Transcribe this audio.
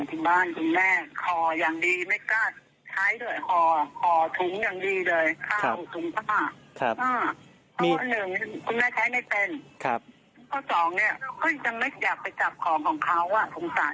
ที่ว่าที่แบบยังติดลงไป